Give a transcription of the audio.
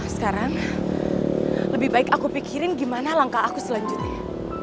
sekarang lebih baik aku pikirin gimana langkah aku selanjutnya